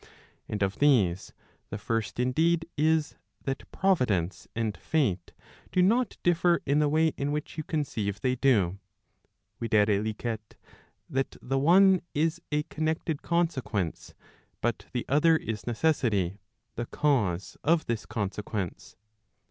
And of these, the first indeed is, that Providence and Fate do not differ in the way in which you conceive they do, viz. that the one is a connected consequence, but the other is necessity, the cause of this consequence.